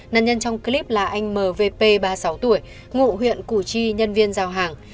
nạn nhân trong clip là anh mvp ba mươi sáu tuổi ngụ huyện củ chi nhân viên giao hàng